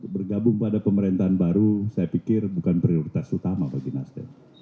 bergabung pada pemerintahan baru saya pikir bukan prioritas utama bagi nasdem